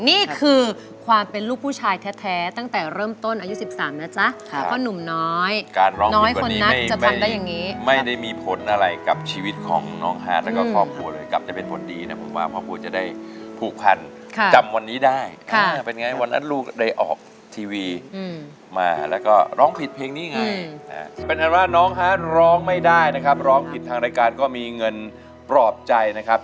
นี่คือความเป็นลูกผู้ชายแท้ตั้งแต่เริ่มต้นอายุ๑๓น่ะจ๊ะ